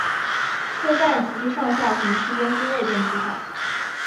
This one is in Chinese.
车站及其上下行区间均未电气化。